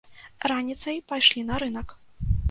Раніцай пайшлі на рынак.